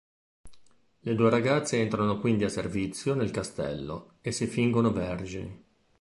Le due ragazze entrano quindi a servizio nel castello e si fingono vergini.